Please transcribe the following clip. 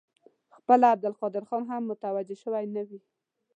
خپله عبدالقادر خان هم متوجه شوی نه وي.